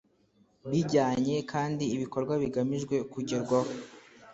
bijyanye kandi ibikorwa bigamijwe kugerwaho